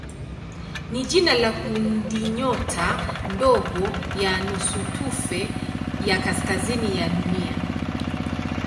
ni jina la kundinyota ndogo ya nusutufe ya kaskazini ya Dunia.